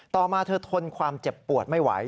ต่อมาเธอทนความเจ็บปวดไม่ไหว